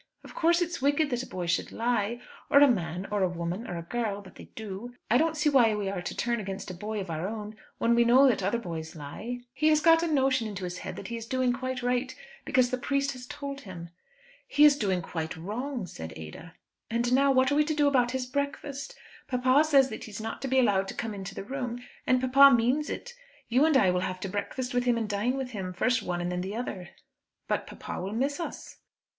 Of course it's wicked that a boy should lie, or a man, or a woman, or a girl; but they do. I don't see why we are to turn against a boy of our own, when we know that other boys lie. He has got a notion into his head that he is doing quite right, because the priest has told him." "He is doing quite wrong," said Ada. "And now what are we to do about his breakfast? Papa says that he is not to be allowed to come into the room, and papa means it. You and I will have to breakfast with him and dine with him, first one and then the other." "But papa will miss us."